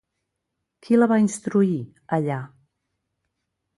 Qui la va instruir, allà?